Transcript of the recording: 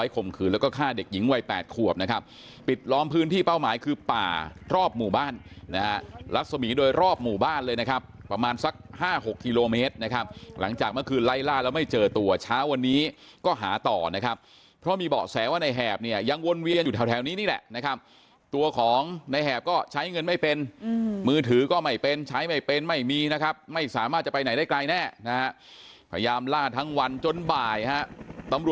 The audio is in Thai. กลมคืนแล้วก็ฆ่าเด็กหญิงวัยแปดขวบนะครับปิดล้อมพื้นที่เป้าหมายคือป่ารอบหมู่บ้านนะฮะลักษมิโดยรอบหมู่บ้านเลยนะครับประมาณสักห้าหกคิโลเมตรนะครับหลังจากเมื่อคืนไล่ล่าแล้วไม่เจอตัวเช้าวันนี้ก็หาต่อนะครับเพราะมีเบาะแสว่าในแหบเนี่ยยังวนเวียนอยู่แถวนี้นี่แหละนะครับต